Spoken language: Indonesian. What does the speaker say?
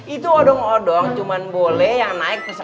itu odong odong cuma boleh yang naik peserta sunat